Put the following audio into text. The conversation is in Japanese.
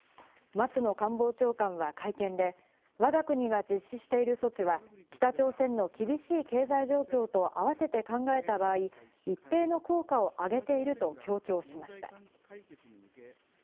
松野官房長官は会見で我が国が実施している措置は北朝鮮の厳しい経済状況と合わせて考えた場合、一定の効果をあげていると強調しました。